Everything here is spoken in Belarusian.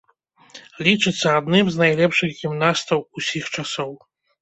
Лічыцца адным з найлепшых гімнастаў усіх часоў.